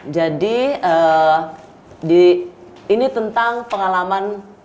jadi ini tentang pengalaman